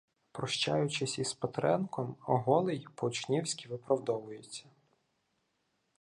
Прощаючись із Петренком, Голий по-учнівськи виправдовується: